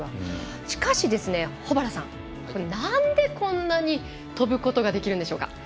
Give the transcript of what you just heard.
しかし、保原さんなんで、こんなに跳ぶことができるんでしょうか。